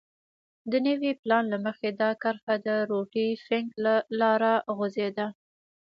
د نوي پلان له مخې دا کرښه د روټي فنک له لارې غځېده.